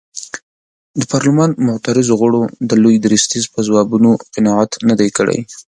د پارلمان معترضو غړو د لوی درستیز په ځوابونو قناعت نه دی کړی.